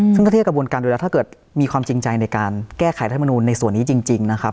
ซึ่งถ้าเทียบกระบวนการดูแลถ้าเกิดมีความจริงใจในการแก้ไขรัฐมนูลในส่วนนี้จริงนะครับ